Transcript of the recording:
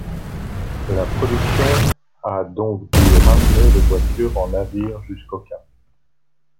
La production a donc dû ramener les voitures en navire jusqu'au Cap.